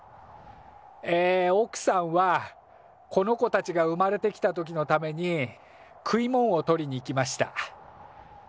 えおくさんはこの子たちが生まれてきた時のために食い物を取りに行きました。